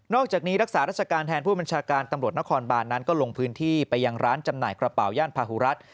อกจากนี้รักษาราชการแทนผู้บัญชาการตำรวจนครบานนั้นก็ลงพื้นที่ไปยังร้านจำหน่ายกระเป๋าย่านพาหุรัฐ